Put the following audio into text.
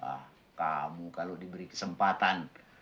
karena kamu kalau diberi kesempatan